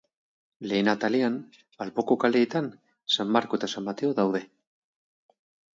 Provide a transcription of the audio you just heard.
Lehen atalean, alboko kaleetan, San Marko eta San Mateo daude.